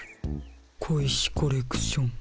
小石コレクション。